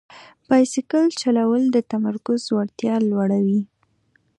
بایسکل چلول د تمرکز وړتیا لوړوي.